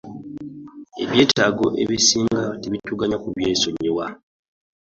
Ebyetaago ebisinga tebituganya kubyesonyiwa.